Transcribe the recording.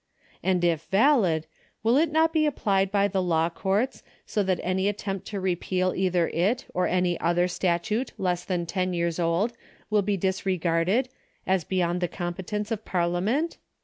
And if valid, will it not be applied by the law courts, so that any attempt to repeal either it or any other statute less than ten years old will be disregarded, as beyond the competence of Parlia ment